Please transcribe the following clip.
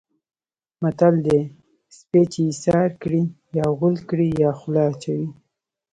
متل دی: سپی چې ایسار کړې یا غول کړي یا خوله اچوي.